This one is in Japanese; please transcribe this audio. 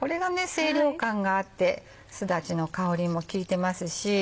清涼感があってすだちの香りも利いてますし。